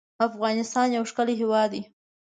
افغانستان يو ښکلی هېواد دی